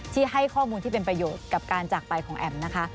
ให้ข้อมูลที่เป็นประโยชน์กับการจากไปของแอ๋มนะคะ